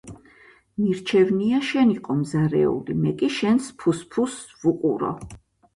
მირჩევნია, შენ იყო მზარეული, მე კი შენს ფუსფუსს ვუყურო.